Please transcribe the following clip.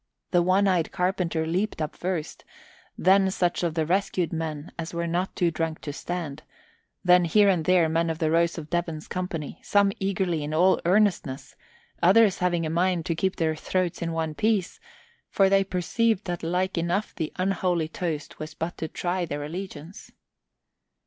The one eyed carpenter leaped up first, then such of the rescued men as were not too drunk to stand, then here and there men of the Rose of Devon's company, some eagerly in all earnestness, others having a mind to keep their throats in one piece, for they perceived that like enough the unholy toast was but to try their allegiance.